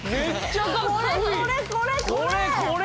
これこれこれこれ！